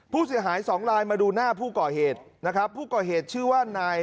ผู้เสียหายสองลายมาดูหน้าผู้ก่อเหตุนะครับผู้ก่อเหตุชื่อว่านาย